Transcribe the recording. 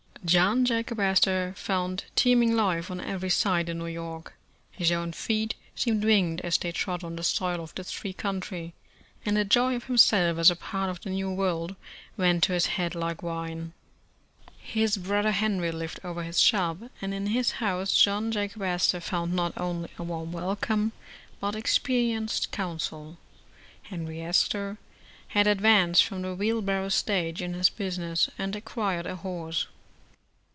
John Jacob Astor found teeming life on every side in New York. His own feet seemed winged as they trod on the soil of this free country, and the joy of himself as a part of the new world went to his head like wine. His brother Henry lived over his shop, and in his house John Jacob Astor found not only a warm wel come, but experienced counsel. Henry Astor had ad vanced from the wheel barrow stage in his business, SO America and acquired a horse.